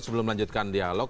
sebelum melanjutkan dialog